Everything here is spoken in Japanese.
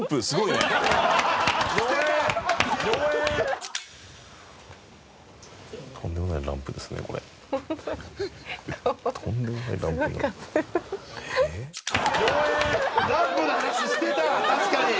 すごい数。